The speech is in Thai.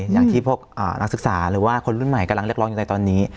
อย่างที่พวกนักศึกษาหรือว่าคนรุ่นใหม่กำลังเรียกร้องอยู่ในตอนนี้